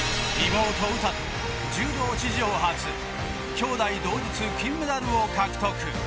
妹、詩が柔道史上初きょうだい同日金メダルを獲得。